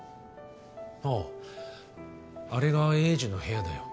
あああれが栄治の部屋だよ。